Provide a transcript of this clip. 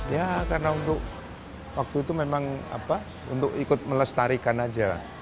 ya karena waktu itu memang untuk ikut melestarikan aja